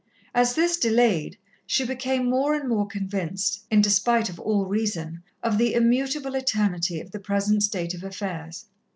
As this delayed, she became more and more convinced, in despite of all reason, of the immutable eternity of the present state of affairs.